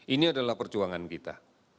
ini adalah perjuangan kita